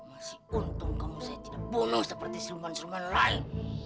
masih untung kamu saya tidak boleh seperti seruman instrumen lain